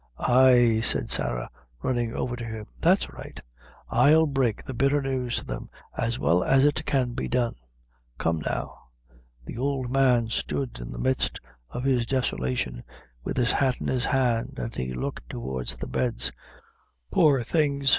"Ay," said Sarah, running over to him, "that's right I'll break the bitter news to them as well as it can be done; come, now." The old man stood, in the midst of his desolation, with his hat in his hand, and he looked towards the beds. "Poor things!"